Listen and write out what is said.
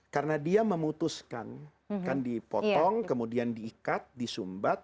karena dia memutuskan kan dipotong kemudian diikat disumbat